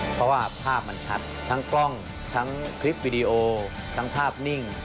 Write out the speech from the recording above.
เพราะว่าภาพมันชัดทั้งกล้องทั้งคลิปวิดีโอทั้งภาพนิ่ง